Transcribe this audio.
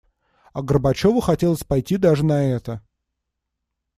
А Горбачёву хотелось пойти даже на это.